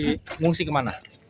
tengungsi ke mana